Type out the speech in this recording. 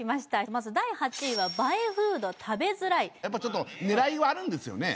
まず第８位は映えフード食べづらいやっぱちょっと狙いはあるんですよね？